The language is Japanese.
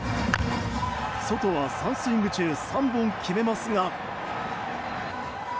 ソトは３スイング中３本決めますが。